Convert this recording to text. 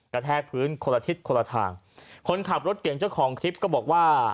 แทกพื้นคนละทิศคนละทางคนขับรถเก่งเจ้าของคลิปก็บอกว่า